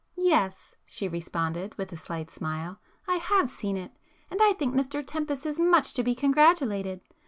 "Yes;"—she responded with a slight smile—"I have seen it—and I think Mr Tempest is much to be congratulated.